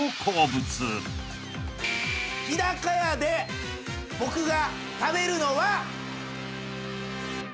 日高屋で僕が食べるのは。